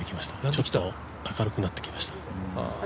ちょっと明るくなってきました。